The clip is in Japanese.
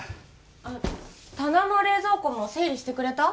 あっ棚も冷蔵庫も整理してくれた？